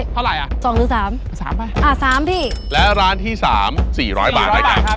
เท่าไหร่อ่ะ๒หรือ๓อ่ะ๓พี่แล้วร้านที่๓๔๐๐บาทครับ